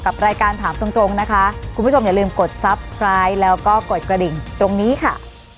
สวัสดีค่ะวันนี้สวัสดีค่ะ